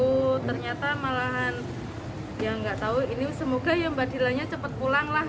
kita malahan yang nggak tahu ini semoga ya mbak dilanya cepat pulanglah